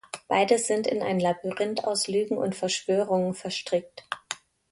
Beide sind in ein Labyrinth aus Lügen und Verschwörungen verstrickt.